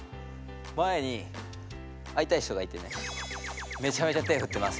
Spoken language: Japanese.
前にあいたい人がいてねめちゃめちゃ手ふってます。